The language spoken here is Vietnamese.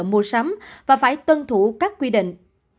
mua sắm và phải tân thủ các quy định